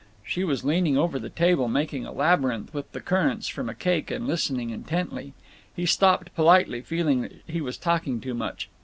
She was leaning over the table, making a labyrinth with the currants from a cake and listening intently. He stopped politely, feeling that he was talking too much.